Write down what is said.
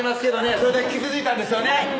それだけ傷ついたんですよね！